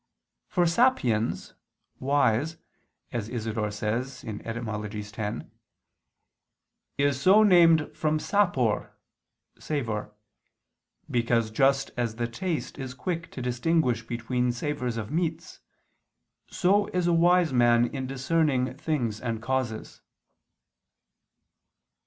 For "sapiens" (wise) as Isidore says (Etym. x) "is so named from sapor (savor), because just as the taste is quick to distinguish between savors of meats, so is a wise man in discerning things and causes."